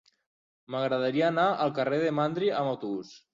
M'agradaria anar al carrer de Mandri amb autobús.